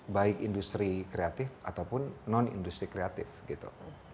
baik industri kreatif ataupun non industri kreatif gitu